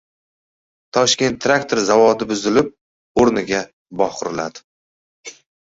Toshkent traktor zavodi buzilib, o‘rnida bog‘ quriladi